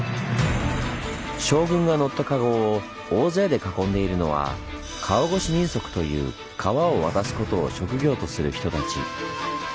将軍が乗った駕籠を大勢で囲んでいるのは「川越人足」という川を渡すことを職業とする人たち。